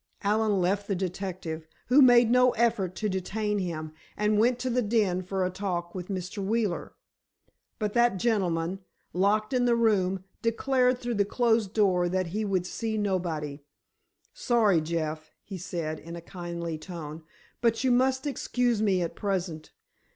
Allen left the detective, who made no effort to detain him, and went to the den for a talk with Mr. Wheeler. But that gentleman, locked in the room, declared through the closed door that he would see nobody. "Sorry, Jeff," he said, in a kindly tone, "but you must excuse me at present.